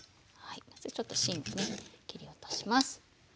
ちょっと芯をね切り落とします。